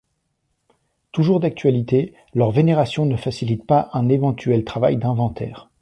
Toujours d'actualité, leur vénération ne facilite pas un éventuel travail d'inventaire.